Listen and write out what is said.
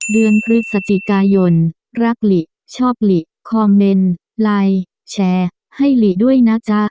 เดือนพฤศจิกายนรักหลิชอบหลีคอมเมนต์ไลน์แชร์ให้หลีด้วยนะจ๊ะ